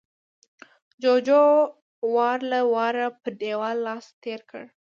جُوجُو وار له واره پر دېوال لاس تېر کړ